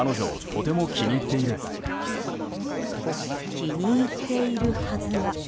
気に入っているはずが。